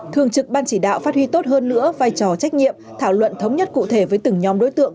thường trực ban chỉ đạo phát huy tốt hơn nữa vai trò trách nhiệm thảo luận thống nhất cụ thể với từng nhóm đối tượng